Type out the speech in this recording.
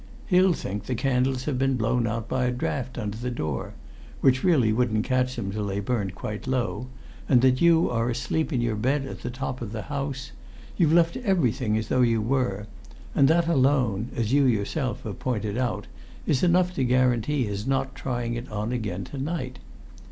"He'll think the candles have been blown out by a draught under the door which really wouldn't catch them till they burnt quite low and that you are asleep in your bed at the top of the house. You've left everything as though you were; and that alone, as you yourself have pointed out, is enough to guarantee his not trying it on again to night.